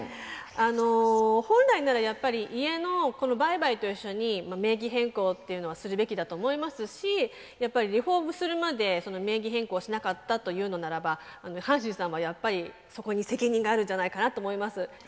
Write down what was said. あの本来ならやっぱり家のこの売買と一緒に名義変更っていうのはするべきだと思いますしやっぱりリフォームするまで名義変更しなかったというのならば阪神さんはやっぱりそこに責任があるんじゃないかなと思います。